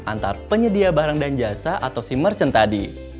antar penyedia barang dan jasa atau si merchant tadi